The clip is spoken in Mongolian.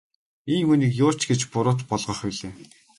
Ийм хүнийг юу ч гэж буруут болгох билээ.